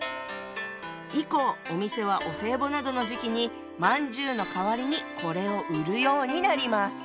以降お店はお歳暮などの時期にまんじゅうの代わりにこれを売るようになります。